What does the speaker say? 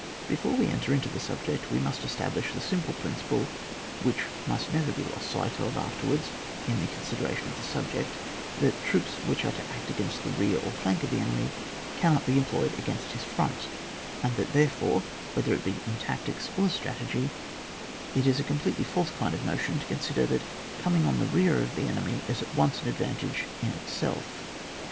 Before we enter into the subject, we must establish the simple principle, which must never be lost sight of after wards in the consideration of the sub ject, that troops which are to act against the rear or flank of the enemy cannot be employed against his front, and that, therefore, whether it be in tactics or strategy, it is a completely false kind of notion to consider that coining on the rear of the enemy is at once an advantage in itself.